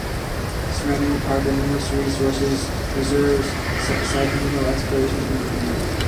Surrounding the park are numerous resources reserves, set aside for mineral exploration and mining.